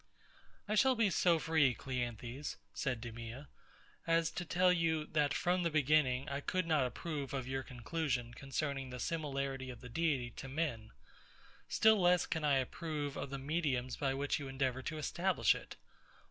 I shall be so free, CLEANTHES, said DEMEA, as to tell you, that from the beginning, I could not approve of your conclusion concerning the similarity of the Deity to men; still less can I approve of the mediums by which you endeavour to establish it.